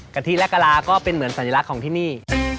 ทิและกะลาก็เป็นเหมือนสัญลักษณ์ของที่นี่